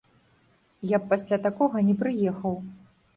Я б пасля такога не прыехаў.